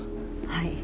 はい。